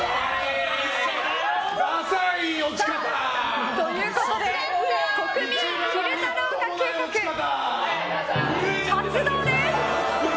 ダサい落ち方！ということで国民昼太郎化計画発動です！